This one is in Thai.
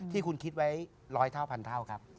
ที่คุณคิดไว้๑๐๐เท่าพันเท่าครับ